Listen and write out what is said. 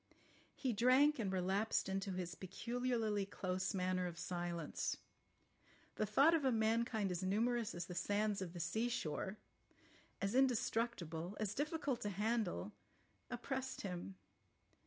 He drank and relapsed into his peculiarly close manner of silence. The thought of a mankind as numerous as the sands of the sea shore, as indestructible, as difficult to handle, oppressed him.